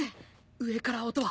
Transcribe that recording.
上から音は？